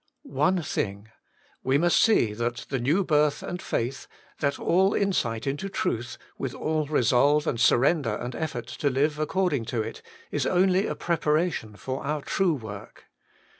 One thing. We must see that the new birth and faith, that all insight into truth, with all resolve and surrender and effort to live according to it, is only a preparation for our true work.